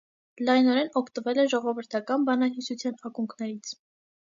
Լայնորեն օգտվել է ժողովրդական բանահյուսության ակունքներից։